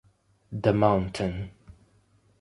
The Mountain